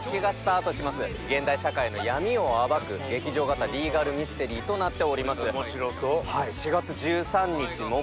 現代社会の闇を暴く劇場型リーガルミステリーとなっております。